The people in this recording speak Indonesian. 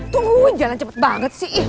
tungguin jalan cepet banget sih